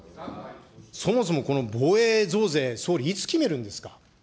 そもそもこの防衛増税、総理、いつ決めるんですか。